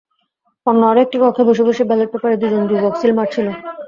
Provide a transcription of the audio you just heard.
অন্য আরও একটি কক্ষে বসে বসে ব্যালট পেপারে দুজন যুবক সিল মারছিল।